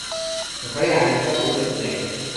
ঘরে আসবাব অধিক নাই।